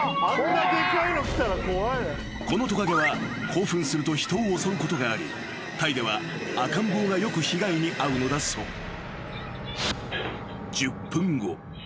［このトカゲは興奮すると人を襲うことがありタイでは赤ん坊がよく被害に遭うのだそう］